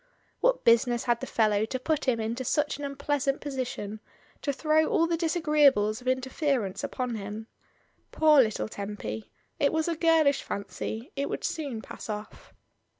What business had the fellow to put him into such an un 1 82 MRS. DYMOND. pleasant position, to throw all the disagreeables of interference upon him? Poor little Tempy, it was a girlish fanqr; it would soon pass off.